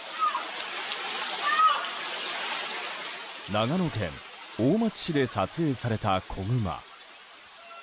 長野県大町市で撮影された子グマ。